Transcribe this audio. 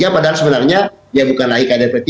padahal sebenarnya dia bukan lagi kader p tiga